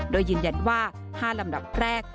โดยยืนยันว่า๕ลำดับแรก